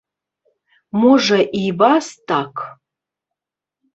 Можа, і вас так?